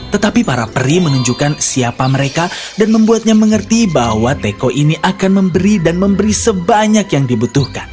tetapi para peri menunjukkan siapa mereka dan membuatnya mengerti bahwa teko ini akan memberi dan memberi sebanyak yang dibutuhkan